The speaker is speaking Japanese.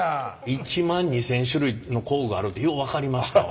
１万２，０００種類の工具があるってよう分かりましたわ。